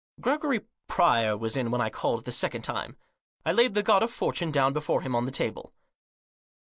Gregory Pryor was in when I called the second time. I laid the God of Fortune down before him on the table.